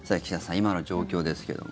今の状況ですけども。